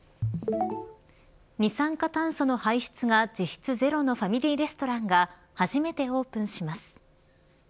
二酸化炭素の排出が実質ゼロのファミリーレストランが初めてオープンします。